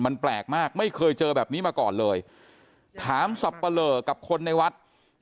มันแปลกมากไม่เคยเจอแบบนี้มาก่อนเลยถามสับปะเหลอกับคนในวัด